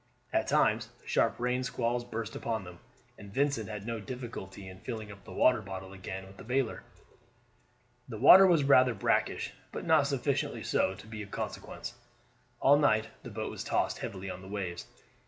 At times sharp rain squalls burst upon them, and Vincent had no difficulty in filling up the water bottle again with the bailer. The water was rather brackish, but not sufficiently so to be of consequence. All night the boat was tossed heavily on the waves.